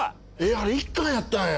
あれ１巻やったんや。